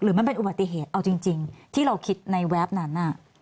หรือมันเป็นอุบัติเหตุเอาที่เราคิดในแวฟนั้นน่ะ